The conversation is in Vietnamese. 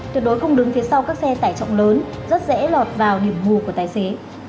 tuyệt đối không đứng phía sau các xe tải trọng lớn rất dễ lọt vào điểm mù của tài xế